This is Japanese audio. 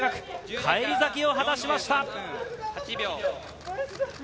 返り咲きを果たしました。